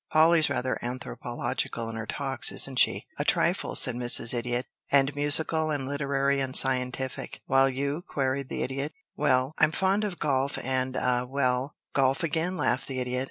Polly's rather anthropological in her talks, isn't she?" "A trifle," said Mrs. Idiot. "And musical and literary and scientific." "While you?" queried the Idiot. [Illustration: "'WELL, I'M FOND OF GOLF'"] "Well, I'm fond of golf and ah well " "Golf again," laughed the Idiot.